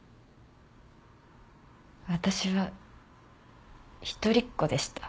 私は一人っ子でした。